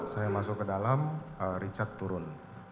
saya masuk ke dalam richard turun